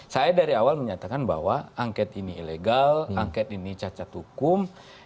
saya dari awal menyatakan bahwa angket ini ilegal angket ini cacat hukum